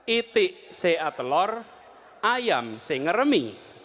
itik se a telor ayam se ngeremi